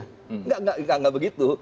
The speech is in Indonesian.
nggak nggak begitu